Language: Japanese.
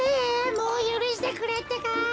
もうゆるしてくれってか。